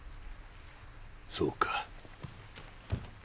そうか。